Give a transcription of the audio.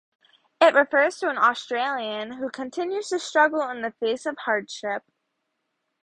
It refers to an Australian who continues to struggle in the face of hardship.